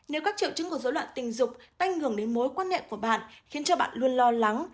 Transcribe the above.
nếu các triệu chứng của dối loạn tình dục tăng cường đến mối quan hệ của bạn khiến cho bạn luôn lo lắng